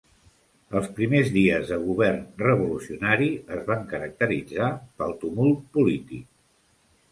Els primers dies de Govern revolucionari es van caracteritzar pel tumult polític.